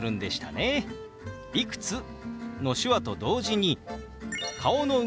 「いくつ？」の手話と同時に顔の動き